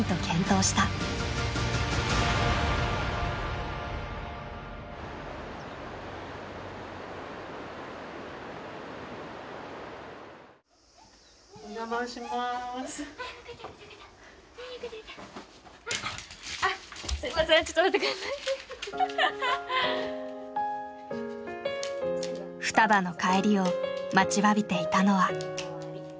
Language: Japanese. ふたばの帰りを待ちわびていたのは。